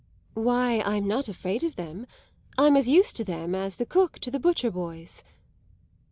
"Why, I'm not afraid of them I'm as used to them as the cook to the butcher boys."